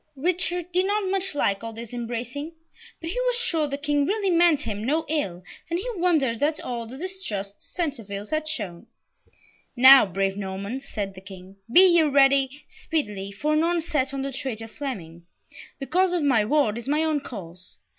Richard did not much like all this embracing; but he was sure the King really meant him no ill, and he wondered at all the distrust the Centevilles had shown. "Now, brave Normans," said the King, "be ye ready speedily, for an onset on the traitor Fleming. The cause of my ward is my own cause.